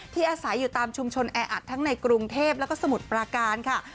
อาศัยอยู่ตามชุมชนแออัดทั้งในกรุงเทพแล้วก็สมุทรปราการค่ะ